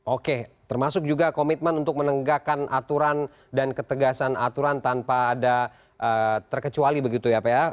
oke termasuk juga komitmen untuk menegakkan aturan dan ketegasan aturan tanpa ada terkecuali begitu ya pak ya